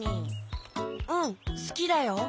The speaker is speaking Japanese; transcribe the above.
うんすきだよ。